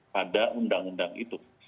pada undang undang itu